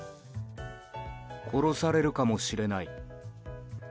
殺されるかもしれない。